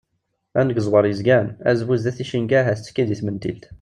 Angeẓwer yezgan, azbu sdat icenga ahat ttekkin di tmentilt.